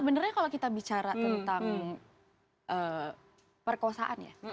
sebenarnya kalau kita bicara tentang perkosaan ya